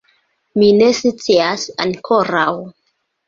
Mi ne scias ankoraŭ.